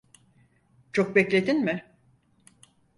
Çok bekledin mi?